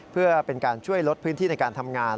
เพื่อเป็นการช่วยลดพื้นที่ในการทำงาน